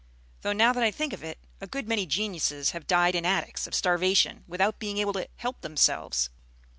Though now that I think of it, a good many geniuses have died in attics, of starvation, without being able to help themselves."